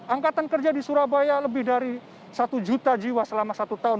angkatan kerja di surabaya lebih dari satu juta jiwa selama satu tahun